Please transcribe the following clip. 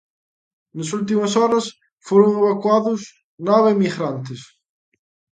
Nas últimas horas foron evacuados nove inmigrantes.